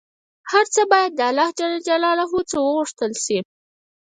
هر څه باید د الله ﷻ څخه وغوښتل شي